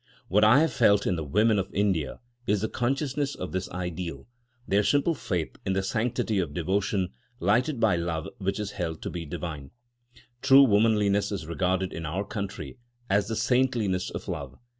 What I have felt in the women of India is the consciousness of this ideal—their simple faith in the sanctity of devotion lighted by love which is held to be divine. True womanliness is regarded in our country as the saintliness of love.